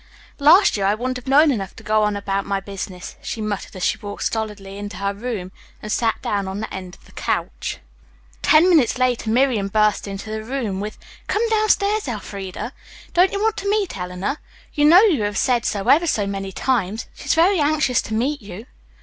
"Last year I wouldn't have known enough to go on about my business," she muttered as she walked stolidly into her room and sat down on the end of the couch. Ten minutes later Miriam burst into the room with: "Come downstairs, Elfreda. Don't you want to meet Eleanor? You know you have said so ever so many times. She's very anxious to meet you."